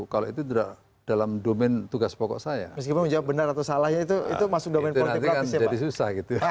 kalau itu dalam domen tugas pokok saya